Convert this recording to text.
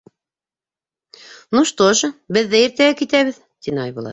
— Ну что же, беҙ ҙә иртәгә китәбеҙ, — тине Айбулат.